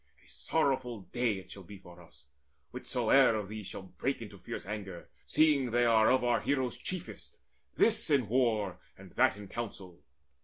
A sorrowful day It shall be for us, whichsoe'er of these Shall break into fierce anger, seeing they Are of our heroes chiefest, this in war, And that in counsel.